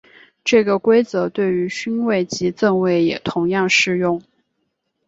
这个规则对于勋位及赠位也同样适用。